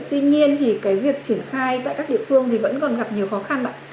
tuy nhiên thì cái việc triển khai tại các địa phương thì vẫn còn gặp nhiều khó khăn ạ